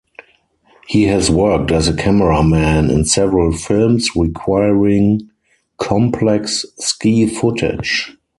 He has worked as a cameraman in several films requiring complex ski footage.